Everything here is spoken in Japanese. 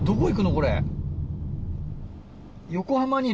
これ。